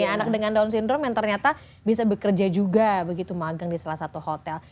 anak dengan down syndrome yang ternyata bisa bekerja juga begitu magang di salah satu hotel